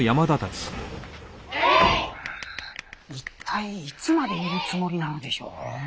一体いつまでいるつもりなのでしょう？